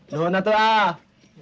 nuhun atuh lah